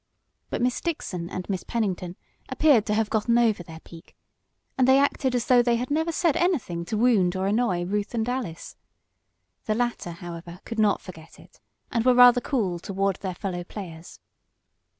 But Miss Dixon and Miss Pennington appeared to have gotten over their pique, and they acted as though they had never said anything to wound or annoy Ruth and Alice. The latter, however, could not forget it, and were rather cool toward their fellow players.